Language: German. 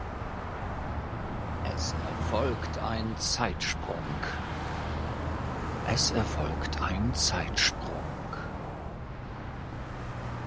Es erfolgt ein Zeitsprung.